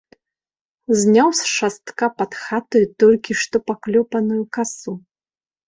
Зняў з шастка пад хатаю толькі што паклёпаную касу.